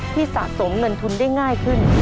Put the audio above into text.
สะสมเงินทุนได้ง่ายขึ้น